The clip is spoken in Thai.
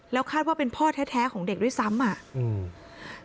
แล้วคาดว่าเป็นพ่อแท้แท้ของเด็กด้วยซ้ำอ่ะอืม